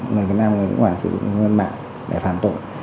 người việt nam người nguyên hoàng sử dụng công dân mạng để phạm tội